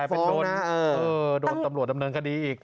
เป็นโดนตำรวจดำเนินคดีอีก